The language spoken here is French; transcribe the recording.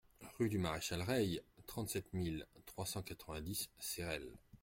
Rue du Maréchal Reille, trente-sept mille trois cent quatre-vingt-dix Cerelles